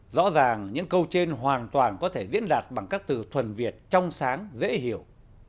rõ ràng những câu trên hoàn toàn có thể diễn đạt bằng các từ thuần việt trong sáng dễ hiểu